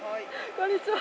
こんにちは。